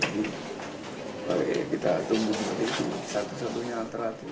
jadi kita tunggu satu satunya antara itu